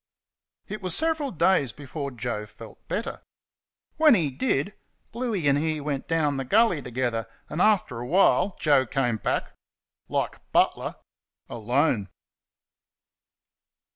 It was several days before Joe felt better. When he did, Bluey and he went down the gully together, and, after a while, Joe came back like Butler alone.